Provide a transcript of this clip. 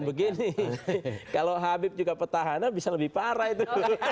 dan begini kalau habib juga petahana bisa lebih parah itu